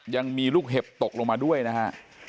ยังมีลูกเห็บตกลงมาด้วยนะฮะ